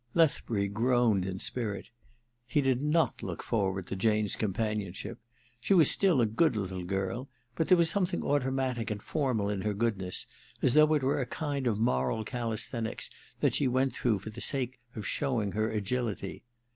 * Lethbury groaned in spirit. He did not look forward to Jane's companionship. She was still a good little girl : but there was some thing automatic and formal in her goodness, as though it were a kind of moral c^isthenics \ which she went through for the sake of showing her agility.